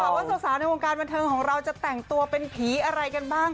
สวัสดีความสุขบางทีโงการมันเทิงจะแต่งตัวเรายังเป็นผีกันบ้าง